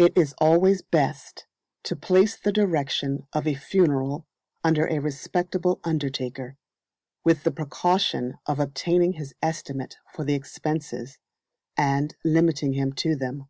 It is always best to place the direction of a funeral under a respectable undertaker, with the precaution of obtaining his estimate for the expenses, and limiting him to them.